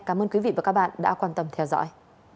cảm ơn quý vị và các bạn đã quan tâm theo dõi